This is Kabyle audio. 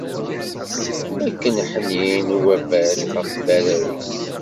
Akken ḥnin ubabat ɣef warraw-is.